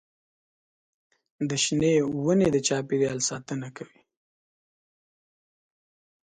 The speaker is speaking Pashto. د شنې ونې د چاپېریال ساتنه کوي.